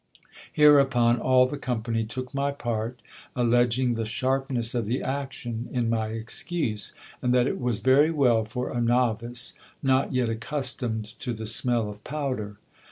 Hereupon all the company took my part, alleging the sharpness of the action in my excuse, and that it was very well for a novice, not yet accustomed to the smell of powder.